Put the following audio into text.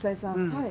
はい。